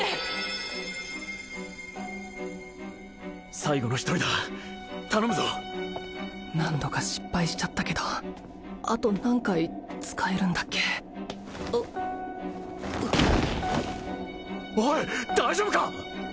最後の１人だ頼むぞ何度か失敗しちゃったけどあと何回使えるんだっけおい大丈夫か！？